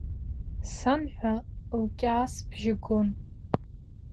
Сан ҳәа лкьаасбжьы гон.